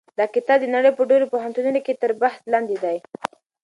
دا کتاب د نړۍ په ډېرو پوهنتونونو کې تر بحث لاندې دی.